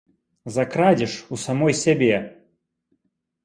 За крадзеж у самой сябе!